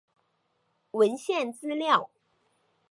文献资料